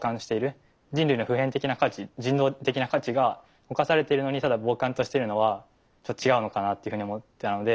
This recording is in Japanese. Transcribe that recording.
人類の普遍的な価値人道的な価値が侵されているのにただ傍観としてるのは違うのかなっていうふうに思ったので。